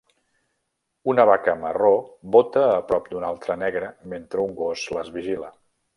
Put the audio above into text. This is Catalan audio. Una vaca marró bota a prop d'una altra negra mentre un gos les vigila.